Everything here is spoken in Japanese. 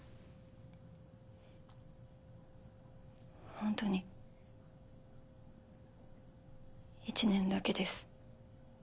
ホントに１年だけです。